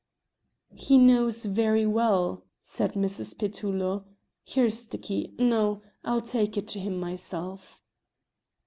"He knows very well," said Mrs. Petullo. "Here is the key no, I'll take it to him myself."